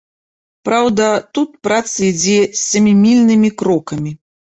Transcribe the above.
Праўда, тут праца ідзе сямімільнымі крокамі.